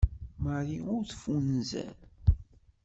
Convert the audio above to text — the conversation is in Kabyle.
Marie ur teffunzer.